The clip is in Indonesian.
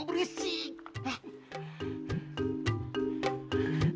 dud itu sorbannya dud